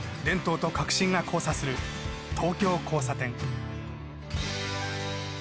伝統と革新が交差する『東京交差点』。